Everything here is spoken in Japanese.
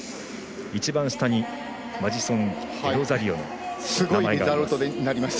一番下にマジソン・デロザリオの名前があります。